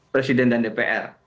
presiden dan dpr